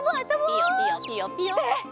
ピヨピヨピヨピヨ。って。